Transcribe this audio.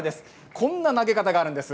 こんな投げ方があるんです。